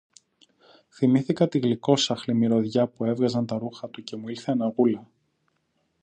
Θυμήθηκα τη γλυκόσαχλη μυρωδιά που έβγαζαν τα ρούχα του και μου ήλθε αναγούλα